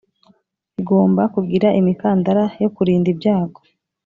igomba kugira imikandara yo kurinda ibyago